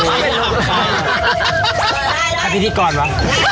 ก็พี่ที่กรว่ะ